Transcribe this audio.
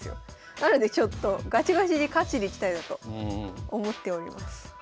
なのでちょっとガチガチに勝ちにいきたいなと思っております。